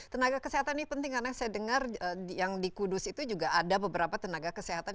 tenaga kesehatan ini penting karena saya dengar yang di kudus itu juga ada beberapa tenaga kesehatan